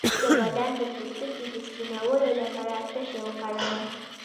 د بدن د پوستکي د سپینولو لپاره څه شی وکاروم؟